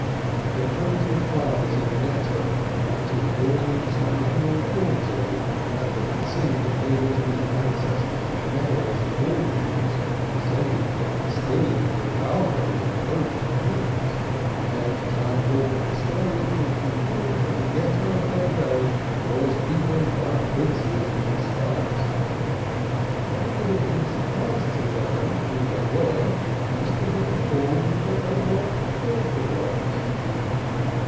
The primitive fathers of the Ghetto might have borne themselves more jauntily had they foreseen that they were to be the ancestors of mayors and aldermen descended from Castilian hidalgos and Polish kings, and that an unborn historian would conclude that the Ghetto of their day was peopled by princes in disguise. They would have been as surprised to learn who they were as to be informed that they were orthodox.